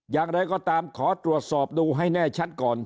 อย่างไรก็ตามขอตรวจสอบดูให้แน่ชัดก่อน